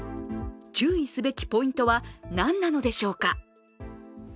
注意すべきポイントは何なのでしょうか。